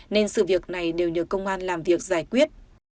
nên sự việc này đều nhờ công an làm việc giải quyết